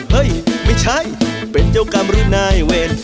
เฮ้ยไม่ใช่เป็นเจ้ากรรมหรือนายเวร